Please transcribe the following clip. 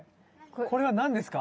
これは何ですか？